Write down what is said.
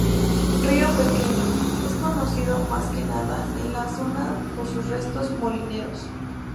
Río pequeño, es conocido más que nada en la zona por sus restos molineros.